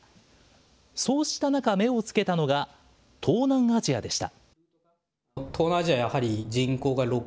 そうした中、目をつけたのが東南アジアでした。